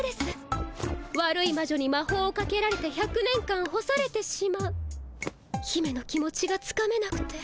悪いま女にまほうをかけられて１００年間干されてしまう姫の気持ちがつかめなくて。